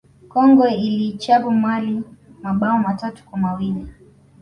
congo iliichapa Mali mabao matatu kwa mawili